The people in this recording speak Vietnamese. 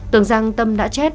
tưởng rằng tâm đã chết